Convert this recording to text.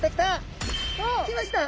きました！